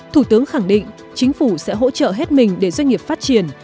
thủ tướng khẳng định chính phủ sẽ hỗ trợ hết mình để doanh nghiệp phát triển